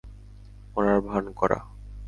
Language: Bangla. মরার ভান করা!